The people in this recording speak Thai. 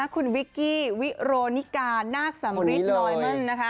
คุณวิกกี้วิโรนิกานาคสำริทลอยเมิล